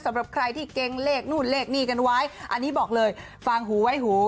สำหรับใครที่เก่งเลขนู่นเลขบอกเลยความหูไว้หู